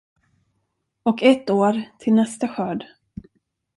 Och ett år till nästa skörd.